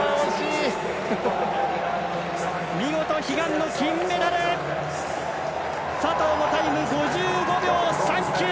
見事、悲願の金メダル！佐藤のタイム５５秒３９！